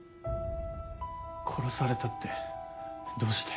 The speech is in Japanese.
殺されたってどうして？